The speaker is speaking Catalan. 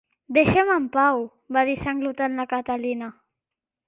"Deixa'm en pau", va dir sanglotant la Catalina.